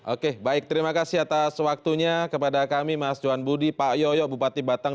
oke baik terima kasih atas waktunya kepada kami mas johan budi pak yoyo bupati batang